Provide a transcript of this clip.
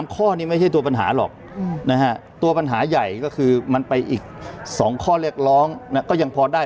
ข้อนี้ไม่ใช่ตัวปัญหาหรอกตัวปัญหาใหญ่ก็คือมันไปอีก๒ข้อเรียกร้องก็ยังพอได้